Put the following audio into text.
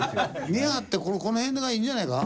見え張ってこの辺がいいんじゃないか？